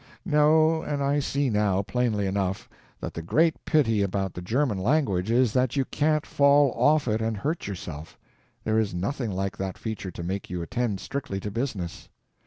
No—and I see now, plainly enough, that the great pity about the German language is, that you can't fall off it and hurt yourself. There is nothing like that feature to make you attend strictly to business.